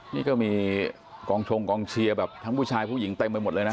นี่ก็มีกองชงกองเชียร์แบบทั้งผู้ชายผู้หญิงเต็มไปหมดเลยนะ